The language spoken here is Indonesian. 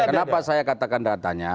kenapa saya katakan datanya